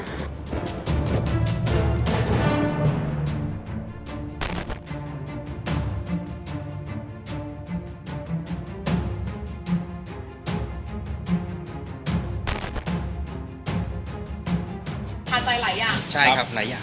คาใจหลายอย่าง